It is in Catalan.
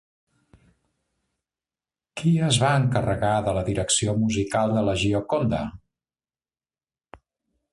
Qui es va encarregar de la direcció musical de La Gioconda?